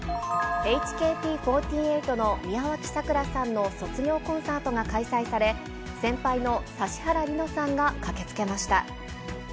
ＨＫＴ４８の宮脇咲良さんの卒業コンサートが開催され、先輩の指原莉乃さんが駆けつけました。